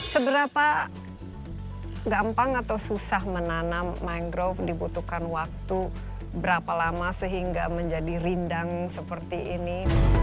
seberapa gampang atau susah menanam mangrove dibutuhkan waktu berapa lama sehingga menjadi rindang seperti ini